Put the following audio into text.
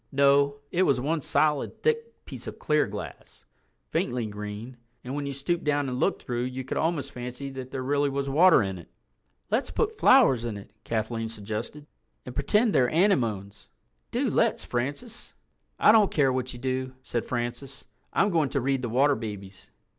No, it was one solid thick piece of clear glass, faintly green, and when you stooped down and looked through you could almost fancy that there really was water in it. "Let's put flowers in it," Kathleen suggested, "and pretend they're anemones. Do let's, Francis." "I don't care what you do," said Francis. "I'm going to read The Water Babies."